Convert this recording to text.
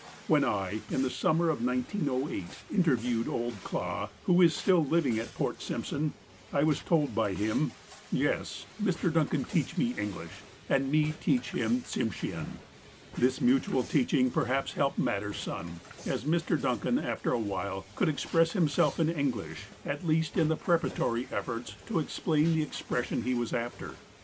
When I, in the summer of 1908, interviewed old Clah, who is still living at Port Simpson, I was told by him: 68 THE APOSTLE OF ALASKA '' Yes, Mr. DuDcau teach me English, and me teach him Tsimshean." This mutual teaching perhaps helped matters some, as Mr. Duncan, after a while, could express himself in Eng lish, at least in preparatory efforts to explain the expres sion he was after.